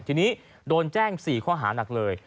ทีนี้โดนแจ้ง๔ข้อหานักเลย